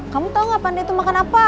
kamu tau gak pandai itu makan apa